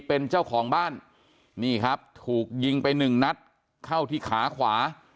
เป็นเจ้าของบ้านนี่ครับถูกยิงไปหนึ่งนัดเข้าที่ขาขวา